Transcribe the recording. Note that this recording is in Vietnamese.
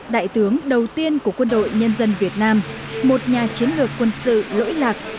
đại tướng đầu tiên của quân đội nhân dân việt nam một nhà chiến lược quân sự lỗi lạc